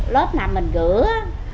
lớp nào mình rửa